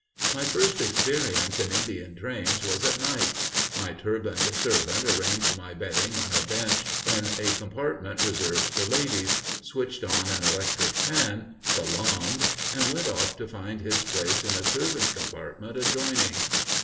My first experience in Indian trains was at night. My turbaned servant arranged my bedding on a bench in a compartment reserved for ladies, switched on an electric fan, salaamed, and went off to find his place in a servants' compartment adjoining.